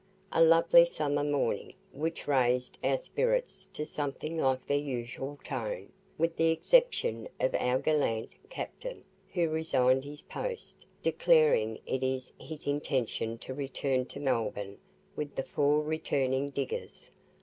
A lovely summer morning, which raised our spirits to something like their usual tone, with the exception of our gallant(?) captain, who resigned his post, declaring it his intention to return to Melbourne with the four returning diggers.